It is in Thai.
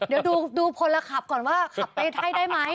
เดี๋ยวดูพลขับก่อนว่าขับไปให้ได้ไหม